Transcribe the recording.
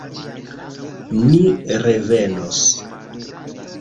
Ni revenos!